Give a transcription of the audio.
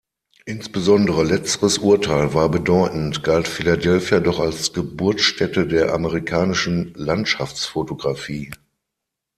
Insbesondere letzteres Urteil war bedeutend, galt Philadelphia doch als Geburtsstätte der amerikanischen Landschaftsfotografie.